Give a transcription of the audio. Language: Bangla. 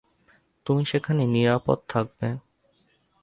তুমি সেখানে নিরাপদ থাকবে।